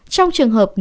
trong trường hợp nếu